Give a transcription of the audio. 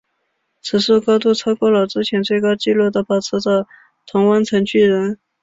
此树高度超过了之前最高纪录的保持者同温层巨人。